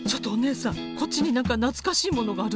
こっちに何か懐かしいものがあるわよ。